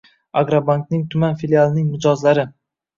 Agrobank ning tuman filialining mijozlari